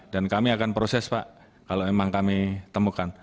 dan kami akan proses pak kalau memang kami temukan